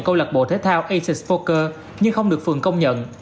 câu lạc bộ thể thao aces poker nhưng không được phường công nhận